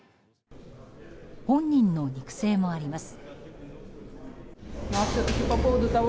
本人の肉声もあります。